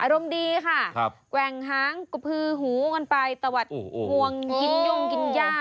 รมดีค่ะแกว่งหางกระพือหูกันไปตะวัดห่วงกินย่งกินย่า